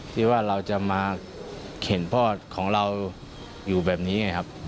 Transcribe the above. ที่ว่าเราจะมาเข็นพ่อของเราอยู่แบบนี้ไงครับ